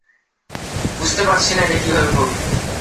বুঝতে পারছি না এটা কীভাবে করবো।